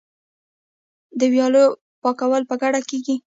د ویالو پاکول په ګډه کیږي.